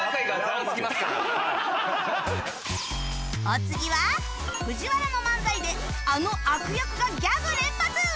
お次は ＦＵＪＩＷＡＲＡ の漫才であの悪役がギャグ連発！